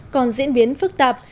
còn diễn biến phức tạp